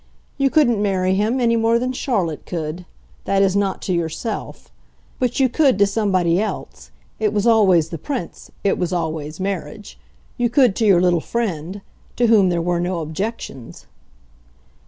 You couldn't marry him, any more than Charlotte could that is not to yourself. But you could to somebody else it was always the Prince, it was always marriage. You could to your little friend, to whom there were no objections."